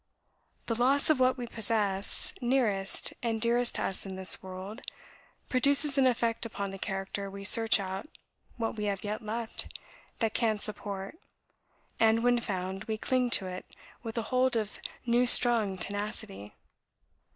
The loss of what we possess nearest and dearest to us in this world, produces an effect upon the character we search out what we have yet left that can support, and, when found, we cling to it with a hold of new strung tenacity.